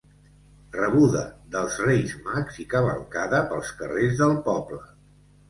Rebuda dels Reis Mags i cavalcada pels carrers del poble.